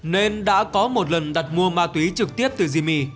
nên đã có một lần đặt mua ma túy trực tiếp từ jimi